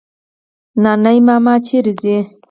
نانی ماما چيري ځې؟